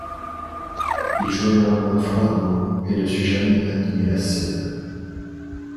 Il jouait néanmoins froidement et ne sut jamais animer la scène.